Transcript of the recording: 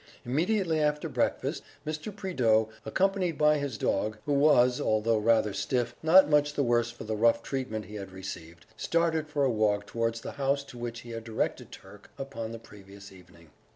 Immediately after breakfast, Mr. Prideaux, accompanied by his dog (who was, although rather stiff, not much the worse for the rough treatment he had received), started for a walk towards the house to which he had directed Turk upon the previous evening.